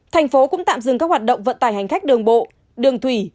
thành phố cũng tạm dừng các hoạt động vận tải hành khách đường bộ đường thủy